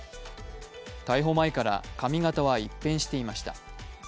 逮捕前から髪形は一変していました。